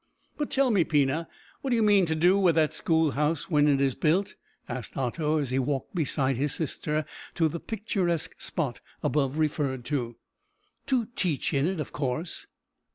"But tell me, Pina, what do you mean to do with that schoolhouse when it is built?" asked Otto, as he walked beside his sister to the picturesque spot above referred to. "To teach in it, of course."